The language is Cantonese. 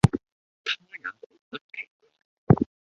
他也毫不奇怪，